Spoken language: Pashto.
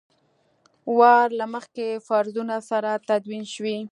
وار له مخکې فرضونو سره تدوین شوي.